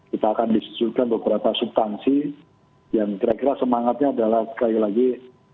kita akan disusulkan beberapa subtansi yang kira kira semangatnya adalah sekali lagi